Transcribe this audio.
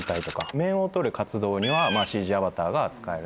面をとる活動にはＣＧアバターが使えると。